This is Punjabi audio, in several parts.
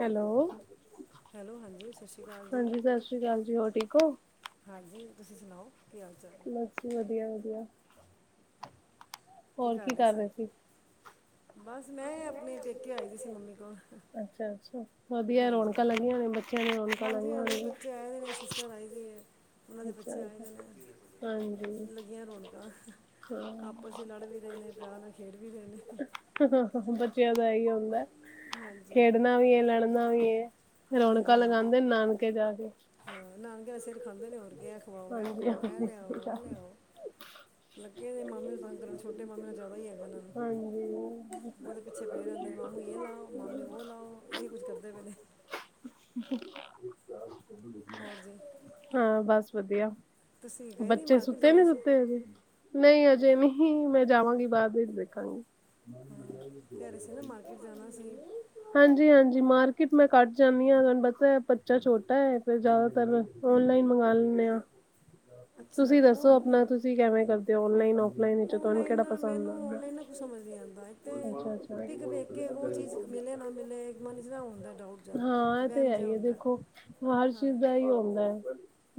ਹੈਲੋ। ਹੈਲੋ ਹਾਂਜੀ ਸਤਿ ਸ਼੍ਰੀ ਅਕਾਲ ਜੀ ਹਾਂਜੀ, ਸਤਿ ਸ੍ਰੀ ਅਕਾਲ ਜੀ। ਹੋਰ ਠੀਕ ਹੋ? ਹਾਂਜੀ, ਤੁਸੀਂ ਸੁਣਾਓ? ਕੀ ਹਾਲ- ਚਾਲ ਬਸ, ਵਧੀਆ- ਵਧੀਆ ਹੋਰ ਕੀ ਕਰ ਰਹੇ ਸੀ? ਬਸ, ਮੈਂ ਆਪਣੇ ਪੇਕੇ ਆਈ ਹੋਈ ਸੀ। ਮੰਮੀ ਕੋਲ ਅੱਛਾ, ਅੱਛਾ। ਵਧੀਆ ਹਾਂਜੀ ਰੌਨਕਾਂ ਲੱਗੀਆਂ ਹੋਣੀ, ਬੱਚਿਆਂ ਨੇ ਰੌਣਕਾਂ ਲਾਇਆਂ ਨੇ ਰ ਆਈ ਦੇ ਉਨਾਂ ਦੇ ਬੱਚੇ ਆਏ ਹੋਏ ਹਾਂਜੀ ਨੇ ਲੱਗੀਆਂ ਰੌਨਕਾਂ ਆਪਸ ਚ ਲੜ ਵੀ ਰਹੇ ਨੇ, ਪਿਆਰ ਨਾਲ ਖੇਡ ਵੀ ਰਹੇ ਨੇ ਬੱਚਿਆਂ ਦਾ ਏਹੀ ਹੁੰਦਾ, ਹਾਂਜੀ ਖੇਡਣਾ ਵੀ ਏ ਲੜਨਾ ਵੀ ਹਾਂਜੀ ਰੌਣਕਾਂ ਹਾਂਜੀ ਲਗਾਉਂਦੇ ਨਾਨਕੇ ਜਾ ਕੇ ਹਾਂ, ਨਾਕਿਆ ਸਿਰ ਖਾਂਦੇ ਨੇ ਹੋਰ ਕੇ ਇਹ ਖਵਾਓ, ਐ ਹਾਂਜੀ ਖਵਾਓ, ਇਹ ਹਾਂਜੀ, ਲਿਆਓ, ਸਹੀ ਉਹ ਗੱਲ। ਲਿਆਓ ਲੱਗੇ ਨੇ ਮਾਮੇ ਨੂੰ ਤੰਗ ਕਰਨ ਛੋਟੇ ਮਾਮੇ ਨਾਲ ਜ਼ਿਆਦਾ ਹੀ ਹੈਗਾ ਇਹਨਾਂ ਨੂੰ ਹਾਂਜੀ ਉਹਦੇ ਪਿੱਛੇ ਪੇ ਰੇਂਦੇ, ਮਾਮੂ ਯੇ ਲਾਓ, ਮਾਮੀ ਵੋ ਲਾਓ, ਏਹੀ ਕੁਛ ਕਰਦੇ ਪ‌ਏ ਨੇ [unintelligible] ਹੋਰਜੀ ਹਾਂ, ਬਸ ਵਧੀਆ ਗਏ ਨਹੀਂ ਬੱਚੇ ਮਾਰਕੀਟ ਸੁੱਤੇ ਜਾਣਾ ਨੀ ਸੀ ਸੁੱਤੇ। ਨਹੀਂ ਅਜੇ ਨਹੀਂ, ਮੈਂ ਜਾਵਾਂਗੀ ਬਾਅਦ ਵਿੱਚ ਦੇਖਾਂਗੀ। ਮ ਮ ਹਾਂ ਕਹਿ ਰਹੇ ਸੀ ਨਾ ਮਾਰਕੀਟ ਜਾਣਾ ਸੀ [unintelligible] ਹਾਂਜੀ-ਹਾਂਜੀ, ਮਾਰਕੀਟ ਮੈਂ ਘੱਟ ਜਾਨੀ ਹਾਂ, ਤੁਹਾਨੂੰ ਪਤਾ ਬੱਚਾ ਛੋਟਾ ਹੈ। ਫਿਰ ਜ਼ਿਆਦਾਤਰ ਓਨਲਾਈਨ ਮੰਗਾ ਲੈਨੇ ਆ, ਅੱਛਾ ਤੁਸੀਂ ਦੱਸੋ ਉਹ ਆਪਣਾ, ਤੁਸੀਂ ਕਿਵੇਂ ਕਰਦੇ ਹੋ ਓਨਲਾਈਨ ਆਫ ਨਹੀਂ-ਨਹੀਂ ਜੌ ਤੁਹਾਨੂੰ ਆਨਲਾਈਨ ਕੇੜ੍ਹਾ ਨਾ ਪਸੰਦ ਏ, ਮੈਨੂੰ ਆਨਲਾਈਨ ਨਾ ਕੁਝ ਸਮਝ ਨਹੀਂ ਆਉਂਦਾ ਇੱਕ ਤੇ ਅੱਛਾ-ਅੱਛਾ। ਪਿਕ ਵੇਖ ਕੇ ਉਹ ਚੀਜ਼ ਮਿਲੇ ਨਾ ਮਿਲੇ ਮਨ 'ਚ ਨਾ ਹੁੰਦਾ ਡਾਊਟ [unintelligible] ਜਾ ਹਾਂ, ਇਹ ਤੇ ਵਹਿਮ ਹੈ ਜਿਹਾ ਹੀ ਆ ਹੁੰਦਾ ਦੇਖੋ ਹਰ ਹਾਂ ਚੀਜ਼ ਦਾ ਇਹੀ ਹੁੰਦਾ ਹੈ,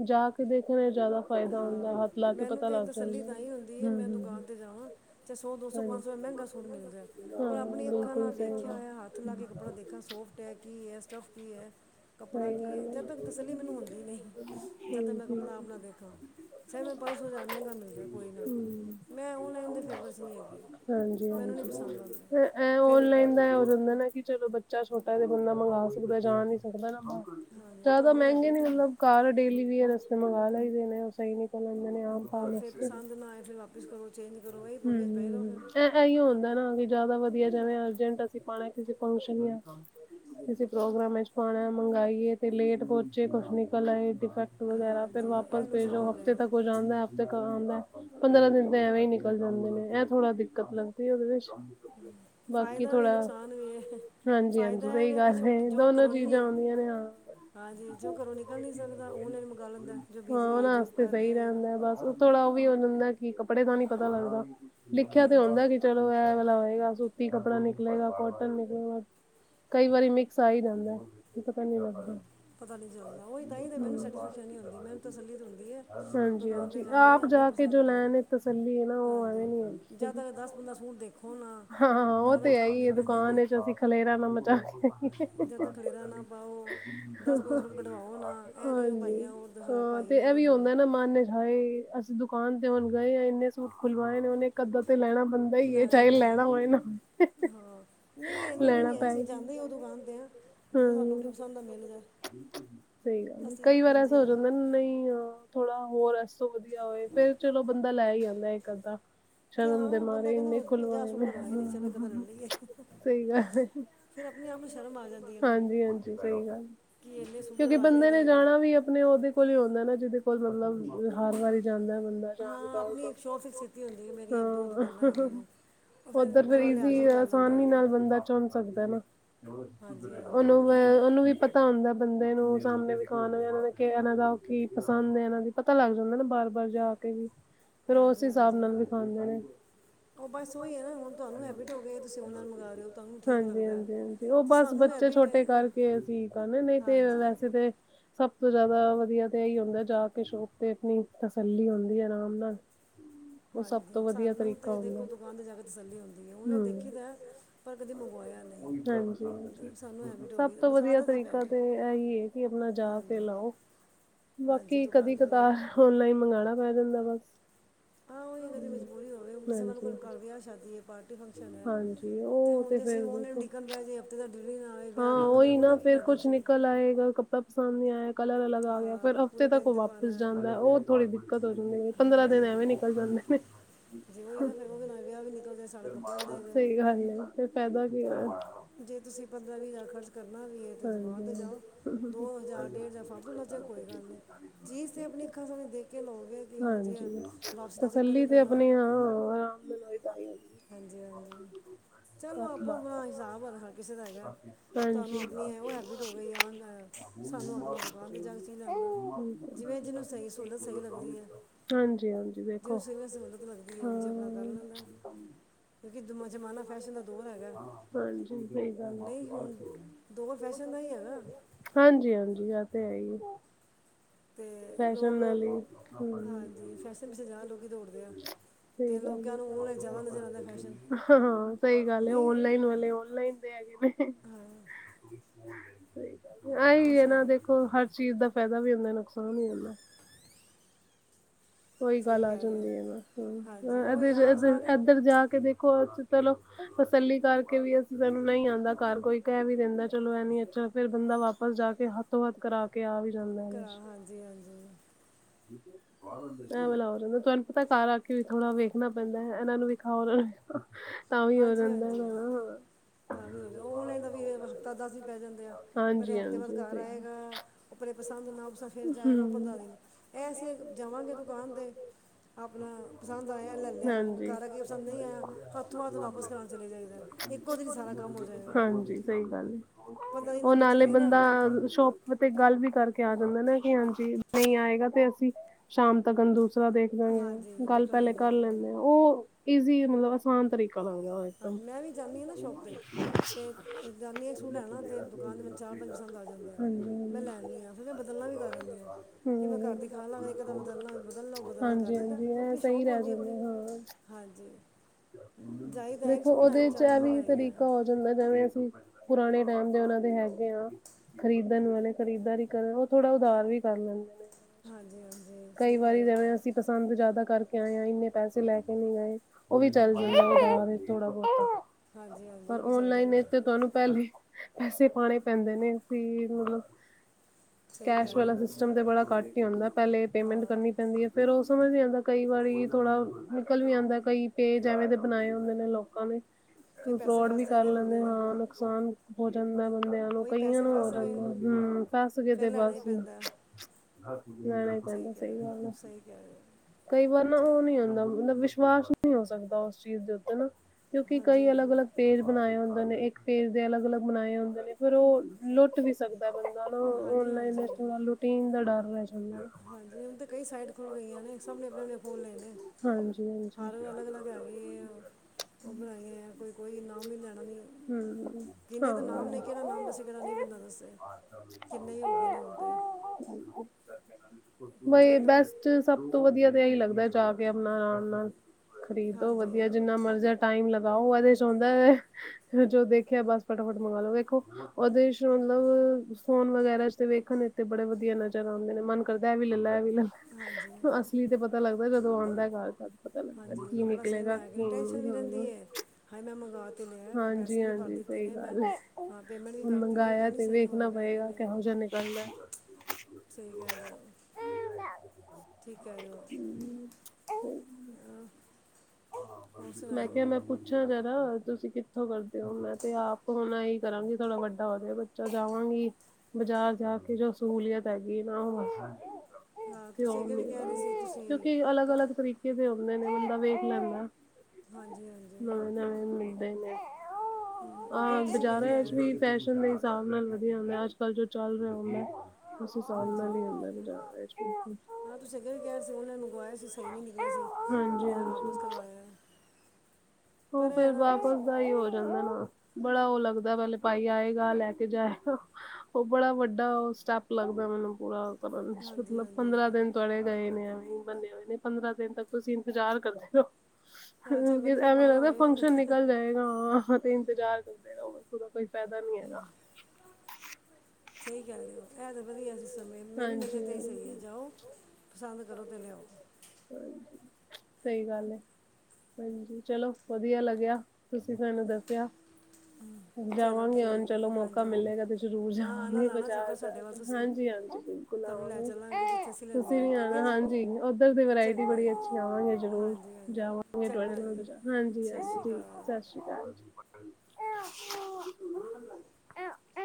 ਜਾ ਕੇ ਦੇਖਣਾ ਜ਼ਿਆਦਾ ਫਾਇਦਾ ਹਾਂ, ਹੁੰਦਾ ਹੱਥ ਲਾ ਕੇ ਮੈਨੂੰ ਪਤਾ ਤੇ ਇਹ ਲੱਗ ਤਸੱਲੀ ਜਾਂਦਾ। ਤਾਂ ਹੀ ਹੁੰਦੀ ਹੈ, ਮੈਂ ਹੂੰ-ਹੂੰ ਦੁਕਾਨ ਤੇ ਜਾਵਾਂ ਚਾਹੇ ਸੌ, ਦੋ ਸੌ, ਪੰਜ ਸੌ ਰੁਪਏ ਹਾਂਜੀ ਮਹਿੰਗਾ ਸੁਕਾਨ ਮਿਲਦਾ ਹਾਂ ਪਰ, ਹਾਂ ਆਪਣੀ ਅੱਖਾਂ ਬਿਲਕੁਲ ਨਾਲ ਸਹੀ ਵੇਖਿਆ ਗੱਲ। ਹੋਇਆ, ਹੱਥ ਲਾ ਕੇ ਕੱਪੜਾ ਦੇਖਾ ਸੋਫਟ ਹੈ, ਕਿ ਇਹ? ਸਟਫਟ ਕੀ ਹੈ? ਕੱਪੜਾ ਸਹੀ ਕੀ ਗੱਲ ਹੈ? ਜਦ ਤੱਕ, ਤਸੱਲੀ ਮੈਨੂੰ ਹੁੰਦੀ ਨਹੀਂ, ਜਦ ਤੱਕ ਮੈਂ ਕੱਪੜਾ ਆਪ ਹੂੰ-ਹੂੰ ਦੇਖ ਸਈ, ਮੈ ਪੰਜ ਸੌ, ਹਜ਼ਾਰ ਮਹਿੰਗਾ ਮਿਲ ਜਾਏ ਕੋਈ ਨਾ ਮੈਂ ਔਨਲਾਈਨ ਦੇ ਫੇਵਰ ਚ ਨਹੀਂ ਹੈਗੀ। ਮੈਨੂੰ ਨਹੀਂ ਹਾਂਜੀ-ਹਾਂਜੀ, ਪਸੰਦ ਆਉਂਦੇ ਏ ਫਿਰ ਆਨਲਾਈਨ ਦਾ। ਏ ਹੋ ਜਾਂਦਾ ਨਾ ਕਿ ਚਲੋ ਬੱਚਾ ਛੋਟਾ ਏ ਬੰਦਾ ਮੰਗਵਾ ਸਕਦਾ ਜਾ ਨੀ ਸਕਦਾ ਨਾ ਬਾਹਰ। ਹਾਂਜੀ ਜ਼ਿਆਦਾ ਤੁਹਾਨੂੰ ਮਹਿੰਗੇ ਹੈਬਿਟ ਨੀ ਮਤਲਬ ਘਾਰ ਡੇਲੀ ਵੀਏਰ ਵਾਸਤੇ ਮੰਗਵਾ ਲਈਦੇ ਨੇ ਉਹ ਸਹੀ ਨੀਕਲ ਆਂਦੇ ਨੇ ਆਮ। ਹਾਂ, ਪਾਣ ਫਿਰ ਵਾਸਤੇ ਪਸੰਦ ਨਾ ਆਏ ਫਿਰ ਵਾਪਿਸ ਕਰੋ, ਚੇਂਜ ਕਰੋ ਇਹੀ ਪੰਗੇ ਚ ਪਏ ਰਹੋ ਫਿਰ। ਇਹੀ ਹੁੰਦਾ, ਨਾ ਕਿ ਜਿਆਦਾ ਵਧੀਆ ਜਾਵੇ ਅਰਜੈਂਟ ਅਸੀਂ ਪਾਣਾ ਕਿਸੇ ਫੰਕਸ਼ਨ ਕਿਸੇ ਪ੍ਰੋਗਰਾਮ ਵਿੱਚ ਪਾਣਾ, ਮੰਗਾਇਏ ਤੇ ਲੇਟ ਪਹੁੰਚੇ, ਕੁਛ ਨਿਕਲ ਆਏ ਡੀਫੈਕਟ ਸੂਟ ਵਗੈਰਾ, ਫੇਰ ਹਾਂਜੀ ਇਹ ਵਾਪਸ ਭੇਜੌ, ਨੁਕਸਾਨ ਹਫ਼ਤੇ ਹੈ ਤੱਕ ਉ ਜਾਂਦਾ। ਤੇ ਆਉਂਦਾ, ਪੰਦਰਾਂ ਦਿਨ ਤਾਂ ਐਵੇਂ ਹੀ ਨਿਕਲ ਜਾਂਦੇ ਨੇ ਇਹ ਥੋੜਾ ਦਿੱਕਤ ਲੱਗਦੀ ਹੈ ਉਹਦੇ ਵਿੱਚ। ਬਾਕੀ ਫਾਇਦਾ ਵੀ ਥੋੜਾ ਨੁਕਸਾਨ ਵੀ ਹੈ। ਹਾਂਜੀ ਹਾਂਜੀ ਫਾਇਦਾ ਸਹੀ ਇਹਵੇ ਕਿ ਗੱਲ ਹੈ ਛੋਟਾ ਜੋ ਦੋਨੋ ਘਰੋ ਨੀ ਚੀਜ਼ਾਂ ਆਉਂਦੀਆਂ ਨੇ ਹਾਂ ਹਾਂਜੀ, ਜੋ ਘਰੋਂ ਨਿਕਲ ਨਹੀਂ ਸਕਦਾ, ਔਨਲਾਈਨ ਮੰਗਾਵਾ ਲੈਂਦਾ ਜੋ ਹਾਂ ਬਿਜ਼ੀ ਏ, ਉਹਨਾਂ ਜੋਬ ਵਾਸਤੇ ਕਰ ਸਹੀ ਰਿਹਾ ਯਾ ਰਹਿੰਦਾ ਬਸ ਥੋੜਾ ਉ ਵੀ ਹੋ ਜਾਂਦਾ ਕਿ ਕੱਪੜੇ ਦਾ ਨੀ ਪਤਾ ਲੱਗਦਾ, ਲਿਖਿਆ ਤੇ ਹਾਂਜੀ ਹੁੰਦਾ ਚਲੋ, ਇਹ ਵਾਲਾ ਹੋਏਗਾ, ਸੂਤੀ ਕੱਪੜਾ ਨਿਕਲੇਗਾ, ਕੋਟਨ ਨਿਕਲੇਗਾ, ਕਈ ਵਾਰੀ ਮਿਕਸ ਸਹੀ ਰਹਿੰਦਾ ਵੀ ਪਤਾ ਨੀ ਲੱਗਦਾ। ਪਤਾ ਨਹੀਂ ਚੱਲਦਾ ਉਹੀ ਤਾਂ ਹੀ ਤਾਂ ਮੈਨੂੰ ਸੈਟਿਸਫੈਕਸ਼ਨ ਨਹੀਂ ਹੁੰਦੀ ਮੈਨੂੰ ਤਸੱਲੀ ਤਾਂ ਹੁੰਦੀ ਹੈ ਦੁਕਾਨ 'ਤੇ ਹਾਂਜੀ-ਹਾਂਜੀ ਜਾਂਦੀ ਹਾਂ ਆਪ ਆਪਣੀ ਜਾ ਕੇ ਕਿ ਜੋ ਪਸੰਦ ਦਾ ਲੈਣ ਤਸੱਲੀ ਹੈ ਨਾ, ਉਹ ਆਵੇਂ ਹਾਂਜੀ ਨੀ ਜਦ ਹੁੰਦੀ। ਤੱਕ ਦਸ ਪੰਦਰਾਂ ਸੂਟ ਦੇਖੋ ਨਾ ਹਾਂ-ਹਾਂ, ਉਹ ਤਾਂ ਤਾਂ ਤੇ ਹੈ ਠੰਡ ਨਹੀਂ ਹੀ, ਦੁਕਾਨ ਪੈਂਦੀ ਵਿੱਚ ਅਸੀਂ ਖਲੇਰਾਾਂ ਨਾ ਮਚਾ ਕੇ ਆਇਏ। ਜਦ ਤੱਕ ਖਲੇਰਾ ਨਾ ਪਾਓ ਦਸ ਪੰਦਰਾਂ ਸੂਟ ਕਢਵਾਓ ਨਾ ਇਹ ਨਹੀਂ ਉਹ ਹਾਂਜੀ। ਭਾਈਆ ਉਹ ਦਿਖਾ ਹਾਂ, ਭਾਈ ਤੇ ਉਹ ਏ ਵੀ ਦਿਖਾ ਉਂਦਾ ਏਨਾ ਮਨ ਇਚ, ਅਸੀਂ ਦੁਕਾਨ ਤੇ ਹੁਣ ਗਏ ਆ ਇੰਨੇ ਸੂਟ ਖੁਲਵਾਏ ਨੇ ਹੁਣ ਇਕ ਅੱਧਾ ਤਾਂ ਲੈਣਾ ਪੈਣਾ। ਬੰਦਾ ਹੀ ਹੈ ਚਾਹੇ ਲੈਣਾ ਹੋਏ ਨਾ ਹਾਂ ਨਹੀਂ ਇੰਨਾ ਵੀ ਲੈਣਾ ਨਹੀਂ ਹੈ ਅਸੀਂ ਪਏ। ਜਾਂਦੇ ਹੀ ਉਹ ਦੁਕਾਨ ਤੇ ਆ। ਜਿੱਥੇ ਸਾਨੂੰ ਕੋਈ ਹੂੰ, ਪਸੰਦ ਦਾ ਮਿਲ ਜਾ ਸਹੀ ਗੱਲ ਹੈ, ਅਸੀਂ ਕਈ ਵਾਰ ਐਸਾ ਹਾਂਜੀ ਹੋ ਹਾਂਜੀ ਜਾਂਦਾ ਨਹੀਂ ਯਾਰ। ਥੋੜਾ ਹੋਰ ਇਸ ਤੋਂ ਵਧੀਆ ਹੋਵੇ, ਫਿਰ ਚਲੋ ਬੰਦਾ ਲੈ ਹੀ ਅਆਂਦਾ ਇਕ-ਅੱਧਾ। ਫਿਰ ਸ਼ਰਮ ਦੇ ਹਾਂ ਬੰਦਾ ਮਾਰੇ ਕਹਿੰਦਾ ਇੰਨੇ ਖੁਲਵਾਏ ਸੂਟ ਨੇ, ਕਢਵਾਏ ਚਲੋ ਕਦਰ ਲੈ ਹਾ ਲਈਏ ਸਹੀ ਗੱਲ ਏ। ਫਿਰ ਆਪਣੇ ਆਪ ਨੂੰ ਆ ਜਾਂਦੀ ਹੈ ਸ਼ਰਮ ਨਾ ਆਉਂਦੀ, ਹਾਂਜੀ-ਹਾਂਜੀ, ਸਹੀ ਗੱਲ। ਕਿ ਇੰਨੇ ਸੂਟ ਕਿਉਂਕਿ, ਕਢਵਾਏ ਬੰਦੇ ਨੇ ਜਾਣਾ ਤੇ ਵੀ ਆਪਣੇ ਉਹਦੇ ਕੋਲ ਹੀ ਹੁੰਦਾ ਨਾ ਜਿਹਦੇ ਕੋਲ ਮਤਲਬ, ਹਰ ਵਾਰੀ ਜਾਂਦਾ ਬੰਦਾ। ਹਾਂ ਆਪਣੀ ਇੱਕ ਸ਼ੋਪ ਫਿਕਸ ਕੀਤੀ ਹੁੰਦੀ ਹੈ ਮੇਰੀਆਂ ਦੋ ਦੁਕਾਨਾਂ ਹਾਂ। ਹੈਗੀਆਂ ਨੇ ਉਹ ਫਿਰ ਉਧਰ ਫੇਰ ਥੋੜਾ ਇਜ਼ੀ ਲਿਹਾਜ਼ ਹੀ ਐ, ਕਰ ਲੈਂਦੇ ਆਸਾਨੀ ਆ ਨਾਲ ਬੰਦਾ ਚੁਣ ਸਕਦਾ ਏਨਾ ਹਾਂਜੀ ਹਾਂਜੀ ਉਹਨੂੰ ਮੈਂ ਉਹਨੂੰ ਵੀ ਪਤਾ ਹੁੰਂਦਾ ਬੰਦੇ ਨੂੰ ਸਾਮਣੇ ਵਿਖਾਨ ਦਾ ਕੀ ਇਹਨਾਂ ਦਾ ਉ ਕੀ ਪਸੰਦ ਹੈ ਇਹਨਾਂ ਦੀ। ਪਤਾ ਲੱਗ ਜਾਂਦਾ ਨਾ ਬਾਰ-ਬਾਰ ਜਾ ਕੇਵੀ ਫਿਰ ਉਸ ਹਾਂਜੀ ਹਿਸਾਬ ਹਾਂਜੀ ਨਾਲ ਵਿਖਾਂਦੇ ਨੇ। ਉਹ ਬਸ ਉਹੀ ਹੈ ਨਾ ਹੁਣ ਤੁਹਾਨੂੰ ਹੈਬਿਟ ਹੋ ਗਈ ਹੈ, ਤੁਸੀਂ ਆਨਲਾਈਨ ਮੰਗਾ ਰਹੇ ਹੋ ਤੁਹਾਨੂੰ ਠੀਕ ਲੱਗਦਾ ਹੈ ਹਾਂਜੀ-ਹਾਂਜੀ-ਹਾਂਜੀ, ਉਹ ਤੇ ਬਸ ਸਾਨੂੰ ਬੱਚੇ ਹੈਬਿਟ ਛੋਟੇ ਕਰਕੇ, ਅਸੀਂ ਕਾਨੇ ਨੇ ਨਈ ਤੇ ਹਾਂਜੀ ਵੈਸੇ ਤੇ ਸਭ ਤੋਂ ਜਾਦਾ ਵਧੀਆ ਤੇ ਐਹੀ ਹੁੰਦਾ ਜਾ ਕੇ ਸ਼ੋਪ ਤੇ ਆਪਣੀ ਤਸੱਲੀ ਹੁੰਦੀ ਐ ਆਰਾਮ ਨਾਲ। ਉਹ ਸਭ ਤੋਂ ਹਾਂਜੀ, ਵਧੀਆ ਸਾਨੂੰ ਤਰੀਕਾ ਤੇ ਹੁੰਦਾ ਦੇਖੋ ਦੁਕਾਨ ਤੇ ਜਾ ਕੇ ਤਸੱਲੀ ਹੁੰਦੀ ਏ ਆਨਲਾਈਨ ਦੇਖੀ ਦਾ। ਪਰ ਕਦੀ ਮੰਗਵਾਇਆ ਨਈ। ਹਾਂਜੀ-ਹਾਂਜੀ। ਸਭ ਤੋਂ ਬਸ ਵਧੀਆ ਆਦਤ ਹੀ ਪੈ ਤਰੀਕਾ ਗਈ ਤੇ ਐਈ ਏ ਕਿ ਆਪਣਾ ਜਾ ਕੇ ਹਾਂਜੀ ਲੋ। ਹਾਂਜੀ ਬਾਕੀ, ਦੁਕਾਨ ਕਦੀ ਤੇ ਜਾਓ ਕਦਾਰ ਔਨਲਾਈਨ ਮੰਗਣਾ ਪੈ ਜਾਂਦਾ ਬਸ। ਹਾਂ, ਉਹੀ ਕਦੀ ਮਜਬੂਰੀ ਹੋਵੇ, ਕਿਸੇ ਮੈਨੂੰ ਹਾਂਜੀ ਕੋਈ ਕਾ ਵਿਆ ਸ਼ਾਦੀ ਏ ਪਾ ਫੰਕਸ਼ਨ ਐ, ਹਾਂਜੀ ਤੇ ਉਹ ਹੁਣ ਜੇ ਅਸੀ ਫੇਰ ਓਨਲਾਈਨ ਡਿੱਕਣ ਬੈ ਜੀਏ, ਹਫ਼ਤੇ ਦਾ ਡਿਲੀਵਰੀ ਨਾਲ ਆਏ ਵਿਆਹ ਲੰਘ ਜਾਏ ਉਹਦਾ ਕੀ ਫੇਦਾ ਜੇ। ਕਲ ਆਏਗਾ, ਕੱਪੜਾ ਪਸੰਦ ਨਈ ਆਯਾ ਕਲਰ ਅਲਗ ਆ ਗਿਆ, ਫਿਰ ਹਾਂ ਹਫ਼ਤੇ ਪੂਰੇ ਤੱਕ ਟਾਈਮ ਉਹ ਤੇ ਪਾਣਾ ਵਾਪਿਸ ਹੈ। ਜਾਂਦਾ, ਉਹ ਥੋੜੀ ਦਿੱਕਤ ਹੋ ਜਾਂਦੀ ਏ ਪੰਦਰਾਂ ਦਿਨ ਹਾਂਜੀ ਐਵੇਂ ਨਿਕਲ ਜਾਂਦੇ। [inaudible] ਜੇ ਉਹੀ ਨਾ, ਫਿਰ ਓਦੇ ਨਾਲ ਵਿਆਹ ਵੀ ਨਿਕਲ ਜੇ ਸਾਡਾ। ਕਪੜਾ ਵੀ ਰੈ ਜਾਯੇ, ਸਹੀ ਗੱਲ ਹੈ ਫਿਰ ਫਾਇਦਾ ਕੀ ਹੋਇਆ। ਜੇ ਤੁਸੀਂ ਪੰਦਰਾਂ ਵੀ ਹਜਾਰ ਖ਼ਰਚ ਕਰਨਾ ਵੀ ਏ ਤੇ ਦੁਕਾਨ ਤੇ ਜਾਓ ਹਾਂਜੀ ਦੋ ਹਜ਼ਾਰ, ਡੇਢ ਹਜ਼ਾਰ ਫਾਲਤੂ ਲੱਜ ਜੇ ਕੋਈ ਗੱਲ ਨਈ, ਚੀਜ਼ ਤੇ ਆਪਣੀ ਅੱਖਾਂ ਸਾਮਨੇ ਦੇਖ ਕੇ ਲੋ ਗੇ ਕਿ ਹਨਜੀ ਹਾਂਜੀ ਤਸੱਲੀ ਤੇ ਆਪਨੀ ਹਾਂ, ਆਰਾਮ ਨਾਲ ਹੋਏ ਤਾਂਹੀ ਹੂੰਦੀ ਏ। ਹਾਂਜੀ-ਹਾਂਜੀ, ਚਲੋ ਆਪੋ-ਆਪਣਾ ਹਿਸਾਬ ਹਰ ਕਿਸੇ ਦਾ ਹੈਗਾ। ਤਾਨੂੰ ਹਾਂਜੀ। ਆਪਣੀ ਉਹ ਹੈਬਿਟ ਹੋ ਗਈ ਏ ਆਨ ਜਾਨ, ਸਾਨੂੰ ਅਪਨਾ ਜਿਹਨੂੰ ਸਹੀ ਸਹੂਲਤ ਸਹੀ ਲੱਗਦੀ ਹੈ ਹਾਂਜੀ-ਹਾਂਜ ਵੈਖੋ, ਜਿਹਨੂੰ ਸਹੀ ਸਹੂਲਤ ਲੱਗਦੀ ਹੈ ਉਂਝ ਆਪਣਾ ਕਰ ਹਾਂ। ਲੈਂਦਾ ਕਿਉਂਕਿ, ਜਾ ਜ਼ਮਾਨਾ ਫੈਸ਼ਨ ਦਾ ਦੋਰ ਹੈਗਾ, ਹਾਂਜੀ ਸਹੀ ਗੱਲ ਹੈ। ਨਈ ਹੁਣ ਦੋਰ ਫੈਸ਼ਨ ਦਾ ਹੀ ਹੈਗਾ। ਹਾਂਜੀ-ਹਾਂਜੀ ਐ ਤੇ ਹੈ ਹੀ ਏ। ਤੇ ਲੋਕ, ਹਮ ਹਾਂਜੀ, ਫੈਸ਼ਨ ਪਿੱਛੇ ਜਾਦਾ ਲੋਕੀ ਦੌੜਦੇ ਆ। ਤੇ ਲੋਕਿਆ ਨੂੰ ਉਵੇ ਜਾਦਾ ਨਜ਼ਰ ਆਂਦਾ ਹਾਂ-ਹਾਂ, ਸਹੀ ਗੱਲ ਏ ਓਨਲਾਈਨ ਵਾਲੇ ਓਨਲਾਈਨ ਤੇ ਹੈਗੇ ਨੇ। ਹਾਂ ਐਈ ਹੋਰ ਏ ਨਾ, ਸੁਣਾਓ ਦੇਖੋ ਹਰ ਚੀਜ਼ ਦਾ ਫਾਇਦਾ ਵੀ ਹੁੰਦਾ, ਨੁਕਸਾਨ ਵੀ ਹੁੰਦਾ। ਓਹੀ ਸਹੀ ਗੱਲ ਆ ਕਹਿ ਰਹੇ ਹੋ ਜਾਂਦੀ ਹੈ ਨਾ, ਹਾਂਜੀ ਇਧ ਉਹੀ ਹਾਂ ਸਾਰੇ ਇਧਰ ਜਾ ਕੇ ਦੇਖੋ, ਅ ਚਲੋ ਤਸੱਲੀ ਕਰਕੇ ਵੀ ਅਸੀਂ, ਸਾਨੂੰ ਨਈ ਆਉਂਦਾ ਕਾਰ ਕੋਈ ਕਹ ਵੀ ਦਿੰਦਾ ਚਲੋ ਇਹ ਨੀ ਅੱਛਾਸ਼ਫੇਰ ਬੰਦਾ ਵਾਪਸ ਜਾ ਕੇ ਹ ਤੋ, ਹਾਤ ਕਰਾ ਕੇ ਆ ਵੀ ਜਾਂਦਾ ਹੈ ਕਰਾ, ਹਾਂਜੀ-ਹਾਂਜੀ। ਐ ਵਾਲਾ ਹੋ ਜਾਂਦਾ, ਤੁਹਾਨੂੰ ਪਤਾ ਕਾਰ ਆ ਕੇ ਵੀ ਥੋੜਾ ਵੇਖਣਾ ਪੈਂਦਾ ਏਨਾਂ ਨੂੰ ਵੀ ਖੂਆਰ ਤਾਂ ਵੀ ਹੋ ਹਾਂਜੀ ਜਾਂਦਾ ਹਾਂਜੀ [unintelligible] ਤਾਂ ਵੀ ਹੋ, ਔਨਲਾਈਨ ਦਾ ਵੀ ਹਫ਼ਤਾ ਦਸ ਦਿਨ ਪੈ ਜਾਂਦੇ ਆ, ਪੈਲੇ ਹਾਂਜੀ ਹਫ਼ਤੇ ਬਾਦ ਹਾਂਜੀ ਘਰ ਆਏਗਾ। ਕਪਡੇ ਪਸੰਦ ਨਾ ਪਸੰਦ ਫੇਰ ਜਾਏਗਾ ਉਹ ਹਮ ਪੰਦਰਾਂ ਦਿਨ, ਏ ਅਸੀਂ ਜਾਵਾਂਗੇ ਦੁਕਾਨ 'ਤੇ ਆਪਨਾ ਪਸੰਦ ਆਇਆ ਲਲਿਆ, ਹਾਂਜੀ ਕਾਰ ਆਕੇ ਪਸੰਦ ਨਈ ਆਯਾ ਸਾਰਾ ਕੰਮ ਹੋ ਜਾਏਗਾ ਹਾਂਜੀ, ਸਈ ਗੱਲ ਏ। ਪੰਦਰਾਂ ਦਿਨ ਤਾਂ ਉਹ ਨਾਲੇ ਬਚਣਗੇ ਨਾ ਬੰਦਾ ਸ਼ੋਪ ਤੇ ਗੱਲ ਵੀ ਕਰਕੇ ਆ ਜਾਂਦਾ ਨਾ, ਕਿ ਹਾਂਜੀ ਨਈ ਆਏਗਾ ਤੇ ਅਸੀਂ ਸ਼ਾਮ ਤਕਨ ਦੂਸਰਾ ਦੇਖ ਦਾਂਗੇ, ਹਾਂਜੀ ਗੱਲ ਦੁਕਾਨ ਪੈਲੇ ਦੇਖ ਕਰ ਲਾਂਗੇ ਲੈਨੇ ਹਾਂ, ਔ ਇਜ਼ੀ, ਮਤਲਬ ਆਸਾਨ ਤਰੀਕ ਕਾਲਾ ਹੋ ਗਯਾ ਇੱਕਦਮ। ਹਾਂਜੀ ਮੈਂ ਵੀ ਜਾਂਦੀ ਹਾਂ ਨਾ ਸ਼ੌਪ ਤੇ ਤੇ ਇਹ ਜਾਂਦੀ ਹਾਂ ਸੂਟ ਲੈਣਾ ਤੇ ਦੁਕਾਨ ਤੇ ਮੈਨੂੰ ਚਾਰ-ਪੰਜ ਪਸੰਦ ਆ ਜਾਂਦੇ ਹਾਂਜੀ ਆ, ਹਾਂਜੀ ਮੈਂ ਲੈਨ ਨੀ ਆ ਫੇਰ ਮੈਂ ਬਦਲਣਾ ਵੀ ਕਰ ਲੈਨੀ ਆ ਕਿ ਮੈਂ ਘਰ ਦੀ ਹੂੰ ਖਾ ਲਾ ਏਕ ਅਧਾ ਬਦਲਨਾ ਬਦਲ ਲੋ ਬਦਲਨਾ ਕਰ ਹਾਂਜੀ ਦਿੰਦਾ, ਹਾਂਜੀ ਇਹ ਆਪਣੀ ਸਹੀ ਸ਼ੌਪ ਹੋਂਦੀ ਅਪਨੀ ਹਾਂਜੀ। ਜਾਈਦਾ ਹੈ ਇੱਕ ਵੇਖੋ ਸੂਟ ਲੈਣ ਓਦੇ ਚ ਚਾਰ ਏ ਪੰਜ ਵੀ ਲਾਈਦਾ ਹੈ। ਤਰੀਕਾ ਹੋ ਜੰਮੇ ਦਾ ਵਿਆਹ ਸੀ ਪੁਰਾਣੇ ਟਾਈਮ ਦੇ ਉਹਨਾਂ ਦੇ ਹੈਗੇ ਐ ਖਰੀਦਣ ਵੇਲੇ ਖਰੀਦਾਰੀ ਕਰਨ ਉਹ ਥੋੜਾ ਉਧਾਰ ਵੀ ਕਰ ਲੈਂਣੇ ਹਾਂਜੀ ਈ ਹਾਂਜੀ ਈ ਕਈ ਵਾਰੀ ਐਵੇਂ ਅਸੀਂ ਪਸੰਦ ਜ਼ਿਆਦਾ ਕਰਕੇ ਆਏ ਹਾਂ ਇੰਨੇ ਪੈਸੇ ਲੈ ਕੇ ਨਈ ਆਏ ਉਹ ਵੀ ਚੱਲ ਹਾਂਜੀ ਜਾਂਦੇ ਉਧਾਰ ਥੋੜਾ ਬੋਤਾ ਆ ਹਾਂਜੀ ਹਾਂਜੀ ਪਰ ਉਹ ਵੀ ਚੱਲ ਓਨਲਾਈਨ ਮੇਰੇ ਜਾਂਦਾ ਤੇ ਤੁਹਾਨੂੰ ਪਹਿਲੀ ਪੈਸੇ ਪਾਉਣੇ ਪੈਂਦੇ ਨੇ ਐ ਪੀ ਈ ਮਤਲਬ ਸਹੀ ਕੈਸ਼ ਕਹਿ ਰਹੇ ਵਾਲਾ ਹੋ ਸਿਸਟਮ ਤੇ ਬੜਾ ਘੱਟ ਹੀ ਹੁੰਦਾ ਐ ਪਹਿਲੇ ਪੇਮੈਂਟ ਹਾਂ ਕਰਨੀ ਪੈਂਦੀ ਐ ਫੇਰ ਉਹ ਸਮਝ ਵੀ ਆਦਾ ਕਈ ਵਾਰੀ ਥੋੜਾ ਨਿਕਲ ਵੀ ਆਂਦਾ ਕਈ ਪੇਜ ਐਵੇਂ ਦੇ ਬਣਾਏ ਹੁੰਦੇ ਨੇ ਲੋਕਾਂ ਨੇ [inaudible] ਹੁਣ ਫਰੋਡ ਵੀ ਫਸ ਕਰ ਜਾਂਦੇ ਲੈਂਣੇ ਬੰਦੇ ਦੇ ਹਾਂ ਨੁਕਸਾਨ ਹੋ ਜਾਂਦਾ ਬੰਦਿਆਂ ਨੂੰ ਉਹੀ ਕਈਆਂ ਪੈਸੇ ਨੂੰ ਹੋ ਫਸ ਜਾਂਦਾ ਗਏ ਹੁੰ ਫਸ ਗਏ ਫਿਰ ਤੇ ਲੈਣਾ ਹੀ ਬਸ ਪੈਂਦਾ ਲੈਣਾ ਪੈਂਦਾ ਕਹਿ ਸਹੀ ਰਹੇ ਹੋ ਗੱਲ ਐ ਸਹੀ ਕਹਿ ਰਹੇ ਹੋ ਕਈ ਵਾਰ ਨਾ ਚਲ ਉਹ ਨੀ ਕੇ ਉਨਾ ਵਿਸ਼ਵਾਸ ਨਹੀਂ ਹੋ ਸਕਦਾ ਉਸ ਚੀਜ਼ ਦੇ ਉੱਤੇ ਨਾ ਕਿਉਂਕਿ ਹਾਂਜੀ ਕਈ ਅਲੱਗ ਹਾਂਜੀ ਅਲੱਗ ਪੇਜ ਬਣਾਏ ਹੁੰਦੇ ਨੇ ਇੱਕ ਪੇਜ ਦੇ ਅਲੱਗ ਅਲੱਗ ਬਣਾਏ ਹੁੰਦੇ ਨੇ ਫੇਰ ਉਹ ਲੁੱਟ ਵੀ ਸਕਦਾ ਬੰਦਾ ਚਲੋ ਹਾਂਜੀ ਹਾਂਜੀ ਔਨਲਾਈਨ ਲੂਟੀਨ ਦਾ ਡਰ ਰ ਐ ਹਾਂਜੀ ਹੁਣ ਤੇ ਕਈ ਸਾਡ ਖੁੱਲ ਗਈਆਂ ਨੇ ਸਭ ਨੇ ਆਪਣੇ ਆਪਣੇ ਫੋਨ ਲਏ ਨੇ ਹਾਂਜੀ ਈ ਹਾਂਜੀ ਈ ਹਰ ਉ ਅਲੱਗ ਅਲੱਗ ਹੈਗੀ ਐ ਉਹ ਬਣਾਈ ਕੋਈ ਕੋਈ ਨਾਾਮ ਈ ਲੈਣਾ ਨੀ ਹਮ ਕਿੰਨੇ ਦਾ ਨਾਮ ਨੇ ਕਿਹੜਾ ਹਾਂ ਨਾਮ ਦੱਸੇ ਕਿਹੜਾ ਨਹੀਂ ਬੰਦਾ ਦੱਸੇ ਏ ਕਿੰਨੇ ਈ ਹੋ ਗਏ ਨੇ ਹੁਣ ਤੇ ਬੇਈ ਐ ਚਲੋ ਬੈਸਟ ਸਭ ਤੋਂ ਵਧੀਆ ਤੇ ਇਹੀ ਲੱਗਦਾ ਜਾ ਕੇ ਆਪਣਾ ਆ ਰਾਮ ਨਾਲ ਖਰੀਦੋ ਹਾਂਜੀ ਵਧੀਆ ਜਿੰਨਾ ਮਰਜਾ ਟਾਈਮ ਲਗਾਓ ਇਹਦੇ ਹੁੰਦਾ ਐ ਵੇਅ ਇਸ ਜੋ ਦੇਖਿਆ ਬਸ ਫਟਾਫਟ ਮੰਗਵਾ ਲੋ ਵੇਖੋ ਓ ਉਹਦੇ ਚ ਮਤਲਬ ਫੋਨ ਵਗੈਰਾ ਚ ਤੇ ਵੇਖਣ ਇੱਥ ਬੜੇ ਵਧੀਆ ਲੱਗਦਾ ਮੇਰੇ ਏ ਮਨ ਕਰਦਾ ਐ ਵੀ ਲੈਆ ਐ ਵੀ ਹਾਂਜੀ ਲੈਆ ਅਸਲੀ ਤੇ ਪਤਾ ਲੱਗਦਾ ਜਦੋਂ ਆਦਾ ਘਰ ਤਾਂ ਪਤਾ ਲੱਗਦਾ ਹਾਂਜੀ ਕੀ ਕੱਪੜਾ ਨਿਕਲੇ ਸੇਮ ਗਾ ਹੈ ਕਿ ਕੀ ਟੈਨਸ਼ਨ ਨਹੀਂ ਵੀ ਹੁਣ ਐ ਰਹਿੰਦੀ ਹੈ ਹਾਏ ਮੈਂ ਮੰਗਾ ਤੇ ਲਿਆ ਮੈਂ ਹਾਂਜੀ ਪੈਸੇ ਵੀ ਭਰ ਹਾਂਜੀ ਦਿੱਤੇ ਸਹੀ ਨੇ ਮੈਂ ਗੱਲ ਏ ਹਾਂ ਪੇਮੈਂਟ ਵੀ ਹੁਣ ਕਰਤੀ ਹੈ ਪਰ ਮੰਗਾਇਆ ਨਹੀਂ ਤੇ ਸਹੀ ਵੇਖਣਾ ਹੋਏਗਾ ਕਿ ਪਏਗਾ ਨਹੀਂ ਕਿਹੋ ਜਿਹਾ ਨਿਕਲ ਦਾ ਆ ਸਹੀ ਕਹਿ ਰੇ ਓ ਠੀਕ ਕਹਿ ਰੇ ਓ ਹੋਰ ਮੈਂ ਸੁਣਾਇਓ ਕਿਹਾ ਮੈਂ ਪੁੱਛ ਪੁੱਛ ਆ ਗੇ ਨਾ ਤੁਸੀਂ ਕਿੱਥੋਂ ਕਰਦੇ ਓ ਮੈਂ ਤੇ ਆਪ ਹੁਣ ਆਹੀ ਕਰਾਂਗੀ ਥੋੜਾ ਵੱਡਾ ਹੋ ਜਾਵੇ ਬੱਚਾ ਜਾਵਾਂਗੀ ਬਾਜ਼ਾਰ ਜਾ ਕੇ ਜੋ ਸਹੂਲੀਅਤ ਹੈਗੀ ਨਾ ਉਹ ਬਰਤਾ ਗੀ ਹਾਂ ਤੇ ਓ ਤੁਸੀਂ ਅੱਗੇ ਮੇਰਾ ਕਹਿ ਰਹੇ ਵੀ ਸੀ ਕਿਉਂਕਿ ਤੁਸੀਂ ਤੁਸੀ ਅਲੱਗ ਕਾ- ਅਲੱਗ ਤਰੀਕੇ ਕਿਦੇ ਹੁਦੇ ਨੇ ਬੰਦਾ ਵੇਖ ਲੈਂਦਾ ਆ ਹਾਂਜੀ ਹਾਂਜੀ ਨਵੇਂ ਨਵੇਂ ਮਿਲਦੇ ਨੇ ਕਿਥ ਹਮ, ਅੱਗੇ ਆ ਵੀ ਤੁਸੀਂ ਕਹਿ ਬਾਜ਼ਾਰੋ ਲੈ ਐਚ ਵੀ ਫੈਸ਼ ਚਲਦੇ ਦੇ ਹਿਸਾਬ ਨਾਲ ਵਧੀਆ ਹੁੰਦਾ ਆ ਅੱਜ ਕੱਲ੍ਹ ਜੋ ਚੱਲ ਰਿਹਾ ਹੁੰਦਾ ਆ ਅਸੀਂ ਸਾਲ ਹਾਂਜੀ ਨਾਲ ਨ ਆਦਾ ਜਾ ਬੁ ਹਾਂ ਤੁਸੀਂ ਅੱਗੇ ਵੀ ਕਿਹਾ ਸੀ ਉਨਾ ਨੇ ਮੰਗਵਾਇਆ ਸੀ ਸਹੀ ਨਹੀਂ ਨਿਕਲਿਆ ਸੀ ਹਾਂਜੀ ਕਿੰਨੀ ਵਾਰ ਵਾਪਸ ਹਾਂਜੀ ਕਰਵਾਇਆ ਪਰ ਉਹ ਇਹ ਹੈ ਫਿਰ ਨਾ ਬਸ ਵਾਪਿਸ ਦਾ ਈ ਹੋ ਜਾਂਦਾ ਨਾ ਬੜਾ ਉਹ ਲੱਗਦਾ ਲਾ ਭਾਈ ਆਏਗਾ ਲੈ ਕੇ ਜਾਏਗਾ ਆ ਉਹ ਬੜਾ ਵੱਡਾ ਉਹ ਸਟੈਪ ਲੱਗਦਾ ਮੈਨੂੰ ਕਰਨ ਚ ਐ ਹਾਂਜੀ ਮਲਬ ਹਾਂਜੀ ਪੰਦਰਾਂ ਦਿਨ ਕਰ ਜੇ ਗਏ ਨੇ ਐਵੇਂ ਬੰਨੇ ਹੋਏ ਨੇ ਪੰਦਰਾਂ ਦਿਨ ਤੱਕ ਤੁਸੀਂ ਇੰਤਜ਼ਾਰ ਕਰਦੇ ਰਹੋ ਓ ਹਾਂ ਚਾਹੇ ਬੰਦੇ ਨੂੰ ਮੇਰਾ ਤੇ ਫੰਕਸ਼ਨ ਨਿਕਲ ਜਾਏਗਾ ਆ ਹ ਇੰਤਜ਼ਾਰ ਕਰਦਾ ਏਗਾ ਉਹਦਾ ਕੋਈ ਫਾਇਦਾ ਨੀ ਹੈਗਾ ਸਹੀ ਕਹਿ ਰਹੇ ਓ ਕਹਿ ਤੇ ਵਧੀਆ ਸੀ ਸਮੇ ਏ ਮੇਰੀ ਨਜ਼ਰ ਹਾਂਜੀ ਤੇ ਹੀ ਸਹੀ ਹੈ ਹਾਂਜੀ ਜਾਓ ਪਸੰਦ ਕਰੋ ਤੇ ਲਿਆਓ। ਹਾਂ, ਸਹੀ ਗੱਲ ਏ। ਹਾਂਜੀ, ਚਲੋ ਵਦੀਆ ਲੱਗਿਆ, ਤੁਸੀਂ ਸਾਨੂੰ ਦੱਸਿਆ। ਚਲੋ ਜਾਵਾਂਗੇ ਠੀਕ ਹੁਨ, ਹੈ ਚਲੋ ਮੌਕਾ ਹਾਂਜੀ ਮਿਲੇਗਾ 'ਤੇ ਜਰੂਰ ਜਾਵਾਂ ਹਾਂ ਨਾ ਤੁਸੀ ਲਾਣਾ ਬਾਜਾਰ ਚੱਕਰ ਸਾਡੇ ਵੱਲ ਜਾਓਗੇ? ਤੁਸੀਂ ਹਾਂਜੀ- ਹਾਂਜੀ, ਬਿਲਕੁਲ ਤੁਹਾਨੂੰ ਲੈ ਆਵਾਂਗੇ। ਚੱਲਾਂਗੇ ਜਿੱਥੇ ਅਸੀਂ ਲੈਂਦੇ ਤੁਸੀਂ ਹਾਂ ਵੀ ਠੀਕ ਆਨਾ, ਹੈ ਜੀ ਹਾਂਜੀ। ਓਧਰ ਦੀ ਵਰਾਇਟੀ ਚੰਗਾ ਬੜੀ ਜੀ ਅੱਛੀ ਆਵਾਂਗੇ ਜ਼ਰੂਰ, ਹਾਂਜੀ ਹਾਂਜੀ ਜਾਵਾਂਗੇ ਚੰਗਾ ਜੀ ਸਤਿ ਸ਼੍ਰੀ ਹਾਂਜੀ-ਹਾਂਜੀ, ਅਕਾਲ ਠੀਕ ਸ [unintelligible]